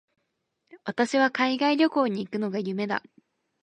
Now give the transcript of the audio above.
私は海外旅行に行くのが夢だ。